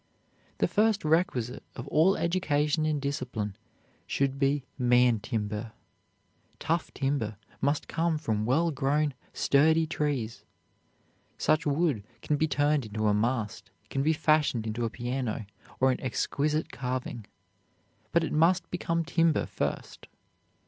The first requisite of all education and discipline should be man timber. Tough timber must come from well grown, sturdy trees. Such wood can be turned into a mast, can be fashioned into a piano or an exquisite carving. But it must become timber first.